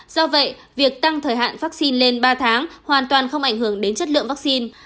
do vậy việc tăng thời hạn vaccine lên ba tháng hoàn toàn không ảnh hưởng đến chất lượng vaccine